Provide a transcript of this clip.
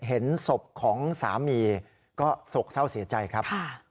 เห็นศพของสามีก็โศกเศร้าเสียใจครับ